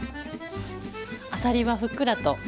あさりはふっくらと。